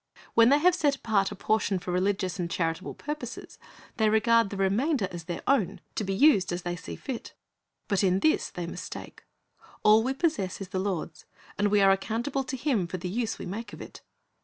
When they have set apart a portion for religious and charitable purposes, they regard the remainder as their own, to be used as they see fit. But in this they mistake. All we possess is the Lord's, and we are accountable to Him for the use we make of it.